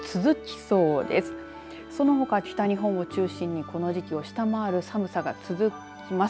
そのほか北日本を中心にこの時期を下回る寒さが続きます。